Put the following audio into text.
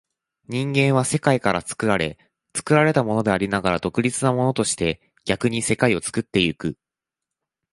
人間は世界から作られ、作られたものでありながら独立なものとして、逆に世界を作ってゆく。